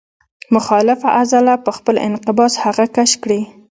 مخالفه عضله په خپل انقباض هغه کش کړي.